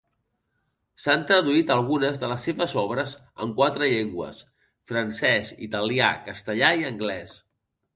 S'han traduït algunes de les seves obres en quatre llengües: francès, italià, castellà i anglès.